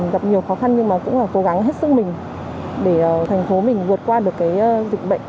gặp nhiều khó khăn nhưng mà cũng là cố gắng hết sức mình để thành phố mình vượt qua được cái dịch bệnh